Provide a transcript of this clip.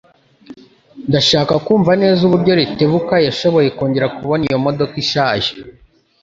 Ndashaka kumva neza uburyo Rutebuka yashoboye kongera kubona iyo modoka ishaje.